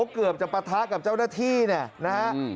เกือบจะประทะกับเจ้าหน้าที่นะครับ